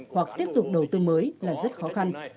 hoặc tiếp tục đầu tư mới là rất khó khăn